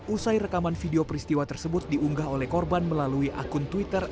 usai rekaman video peristiwa tersebut diunggah oleh korban melalui akun twitter